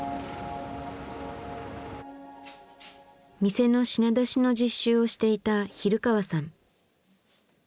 店の品出しの実習をしていた比留川さん。